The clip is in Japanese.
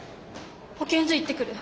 保健所行ってくる。